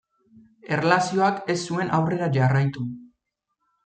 Erlazioak ez zuen aurrera jarraitu.